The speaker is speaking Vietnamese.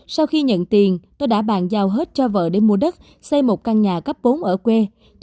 sau khi nhận tiền tôi đã bàn giao hết cho vợ để mua đất xây một căn nhà cấp bốn ở quê